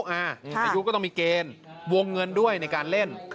อายุก็ต้องมีเกณฑ์วงเงินด้วยในการเล่น